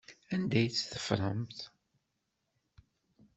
Anda ay tt-teffremt?